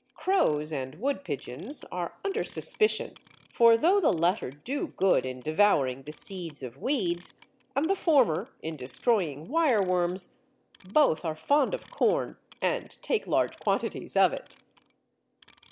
Crows and wood pigeons are under suspicion, for though the latter do good in devouring the seeds of weeds, and the former in destroying wireworms, both are fond of corn and take large quantities of it.